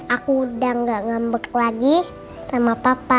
aku udah gak ngambek lagi sama papa